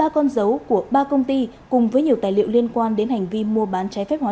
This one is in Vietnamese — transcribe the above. ba con dấu của ba công ty cùng với nhiều tài liệu liên quan đến hành vi mua bán trái phép hóa